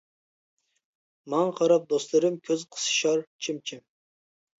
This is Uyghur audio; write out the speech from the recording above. ماڭا قاراپ دوستلىرىم، كۆز قىسىشار چىم-چىم.